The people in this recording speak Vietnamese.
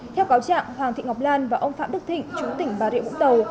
theo cáo trạng hoàng thị ngọc lan và ông phạm đức thịnh chú tỉnh bà rịa vũng tàu